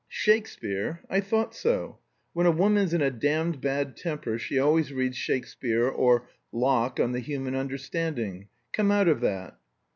"Shakespeare? I thought so. When a woman's in a damned bad temper she always reads Shakespeare, or Locke on the Human Understanding. Come out of that."